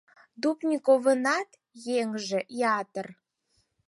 Дубниковынат еҥже ятыр.